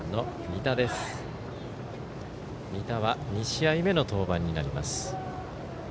仁田は２試合目の登板になります。